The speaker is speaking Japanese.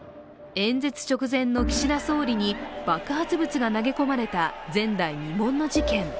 演説直前の岸田総理に爆発物が投げ込まれた前代未聞の事件。